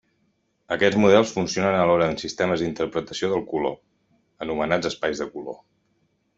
Aquests models funcionen alhora en sistemes d'interpretació del color, anomenats espais de color.